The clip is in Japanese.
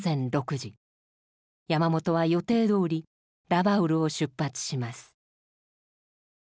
山本は予定どおりラバウルを出発します。